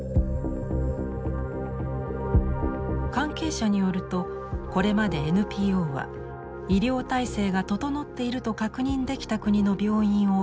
関係者によるとこれまでＮＰＯは医療体制が整っていると確認できた国の病院を案内していたといいます。